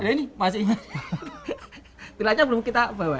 iya ini pastinya tilangnya belum kita bawa